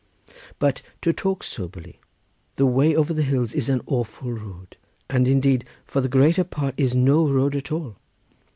But to talk soberly. The way over the hills is an awful road, and indeed for the greater part is no road at all."